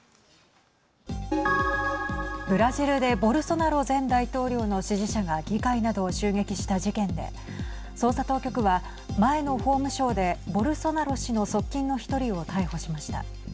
ブラジルでボルソナロ前大統領の支持者が議会などを襲撃した事件で捜査当局は前の法務相でボルソナロ氏の側近の１人を逮捕しました。